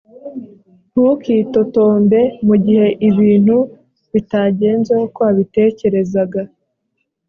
ntukitotombe mu gihe ibintu bitagenze uko wabitekerezaga